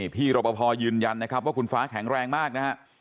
พี่รปภยืนยันนะครับว่าคุณฟ้าแข็งแรงมากนะฮะ